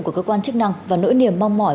của cơ quan chức năng và nỗi niềm mong mỏi